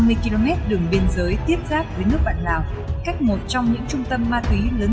với hai trăm năm mươi km đường biên giới tiếp giáp với nước vạn lào cách một trong những trung tâm tuyển bộ hay tham gia ở sơn la cũng như